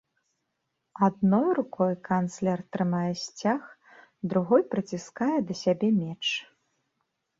Адной рукой канцлер трымае сцяг, другой прыціскае да сябе меч.